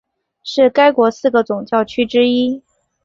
是该国四个总教区之一。